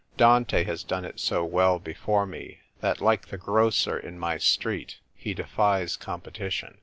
Dante has done it so well before me that, like the grocer in my street, he de^es competition.